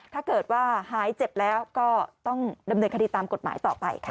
ถ้าเกิดว่าหายเจ็บแล้วก็ต้องดำเนินคดีตามกฎหมายต่อไปค่ะ